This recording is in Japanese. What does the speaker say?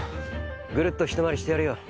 ぐるっとひと回りしてやるよ。